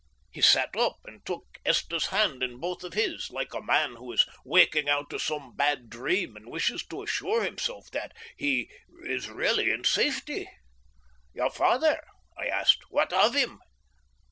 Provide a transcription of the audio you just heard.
He sat up and took Esther's hand in both of his, like a man who is waking out of some bad dream and wishes to assure himself that he is really in safety. "Your father?" I asked. "What of him?"